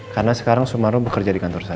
karena sekarang sumarno bekerja di kantor saya